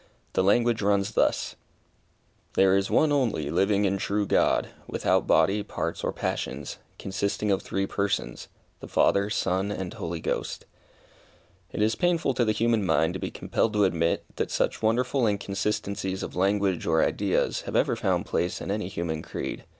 The language runs thus "_There is one only living and true God, without body, parts, or passions; consisting of three persons the Father, Son, and Holy Ghost_." It is painful to the human mind to be compelled to admit, that such wonderful inconsistencies of language or ideas, have ever found place in any human creed.